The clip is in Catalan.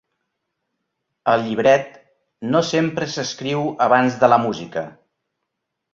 El llibret no sempre s'escriu abans de la música.